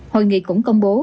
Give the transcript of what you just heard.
hội nghị cũng công bố